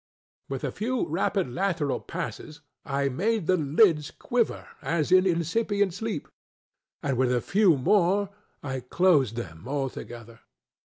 With a few rapid lateral passes I made the lids quiver, as in incipient sleep, and with a few more I closed them altogether.